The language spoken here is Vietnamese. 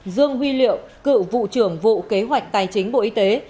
dương huy liệu cựu vụ trưởng vụ kế hoạch tài chính bộ y tế